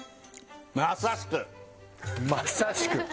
まさしく？